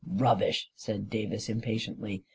" Rubbish !" said Davis, impatiently.